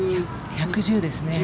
１１０ですね。